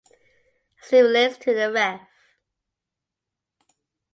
As he relates to the Rev.